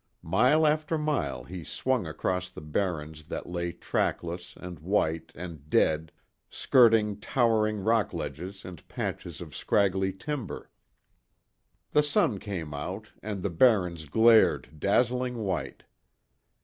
Mile after mile he swung across the barrens that lay trackless, and white, and dead, skirting towering rock ledges and patches of scraggly timber. The sun came out and the barrens glared dazzling white.